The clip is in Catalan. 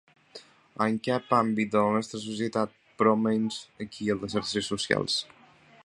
En cap àmbit de la nostra societat, però menys aquí a les xarxes socials.